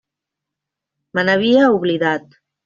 Me n'havia oblidat.